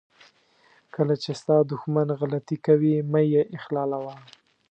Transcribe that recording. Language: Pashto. کله چې ستا دښمن غلطي کوي مه یې اخلالوه.